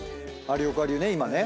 有岡流ね今ね。